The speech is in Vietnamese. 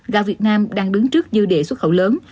gạo việt nam đang đứng trước dư địa xuất khẩu lớn